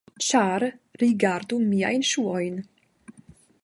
Ĉar, rigardu miajn ŝuojn: